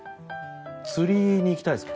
釣りに行きたいです。